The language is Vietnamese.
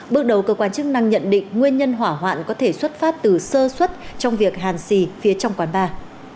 bước đầu cơ quan chức năng nhận định nguyên nhân hỏa hoạn có thể xuất phát từ sơ xuất trong việc hàn xì phía trong quán bar